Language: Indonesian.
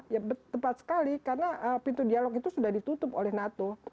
ya tepat sekali karena pintu dialog itu sudah ditutup oleh nato